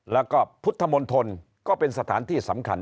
แล้วก็พุทธมนตรก็เป็นสถานที่สำคัญ